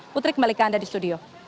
putri kembali ke anda di studio